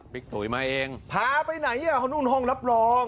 พึกถุ๋ยมาเองพาไปไหนอ่ะเขานั่นห้องรับรอง